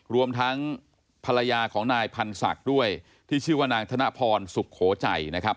รวมทั้งภรรยาของนายพันธ์ศักดิ์ด้วยที่ชื่อว่านางธนพรสุโขใจนะครับ